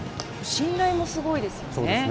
信頼もすごいですね。